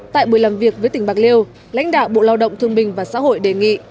tại buổi làm việc với tỉnh bạc liêu lãnh đạo bộ lao động thương bình và xã hội đề nghị